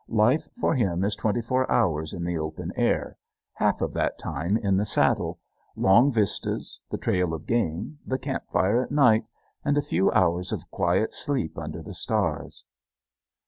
Life for him is twenty four hours in the open air, half of that time in the saddle, long vistas, the trail of game, the camp fire at night, and a few hours of quiet sleep under the stars.